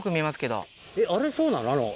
あれそうなの？